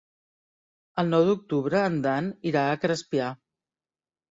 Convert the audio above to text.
El nou d'octubre en Dan irà a Crespià.